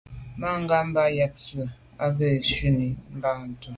Mangambe bə́ ɑ̂ yə̀k nzwe' ɑ́ gə́ yí gi shúnɔ̀m Batngub.